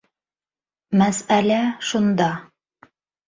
Мәсьәлә шунда.